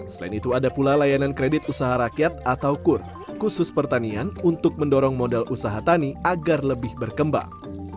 selain itu ada pula layanan kredit usaha rakyat atau kur khusus pertanian untuk mendorong modal usaha tani agar lebih berkembang